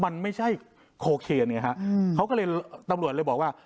มันไม่ใช่โคเคนไงฮะเขาก็เลยตำรวจเลยบอกว่า